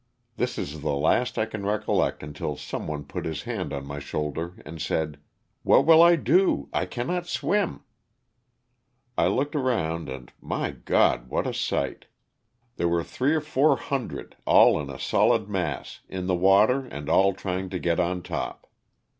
This is the last I can recol lect until some one put his hand on my shoulder and said, "What will I do? I cannot swim." I looked around, and my God, what a sight! There were three or four hundred, all in a solid mass, in the water and all trying to get on top.